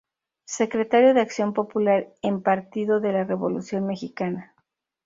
Secretario de Acción Popular en Partido de la Revolución Mexicana.